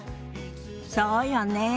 そうよねえ。